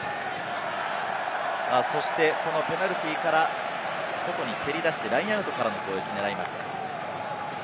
そしてこのペナルティーから外に蹴り出して、ラインアウトからの攻撃を狙います。